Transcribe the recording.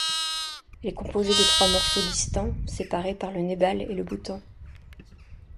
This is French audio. Elle est composée de trois morceaux distincts, séparés par le Népal et le Bhoutan.